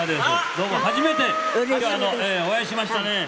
どうも初めて今日お会いしましたね。